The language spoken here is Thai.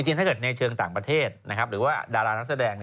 ถ้าเกิดในเชิงต่างประเทศหรือว่าดารานักแสดง